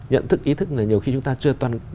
nhận thức ý thức là nhiều khi chúng ta chưa